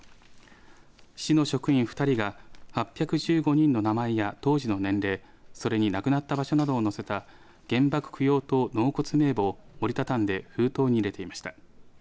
市の職員２人が８１５人の名前や当時の年齢それに亡くなった場所などを載せた原爆供養塔納骨名簿を折り畳んで封筒に入れていました。